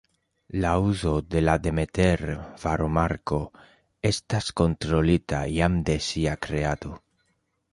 La uzo de la Demeter-varomarko estas kontrolita jam de sia kreado.